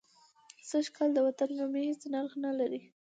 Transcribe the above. سږ کال د وطن رومي هېڅ نرخ نه لري.